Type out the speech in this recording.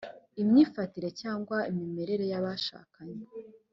imyifatire cyangwa imimerere y’abashakanye